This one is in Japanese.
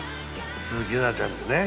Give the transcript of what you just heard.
鈴木奈々ちゃんですね。